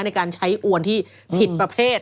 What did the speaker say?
เพื่อใช้อ้วนที่ผิดประเภท